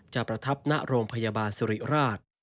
ประทับณโรงพยาบาลสิริราช